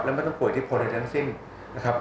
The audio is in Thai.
และไม่ต้องป่วยอิทธิพลใดทั้งสิ้นนะครับ